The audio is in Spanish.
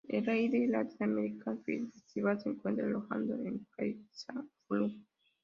El Lleida Latin-American Film Festival se encuentra alojado en CaixaForum.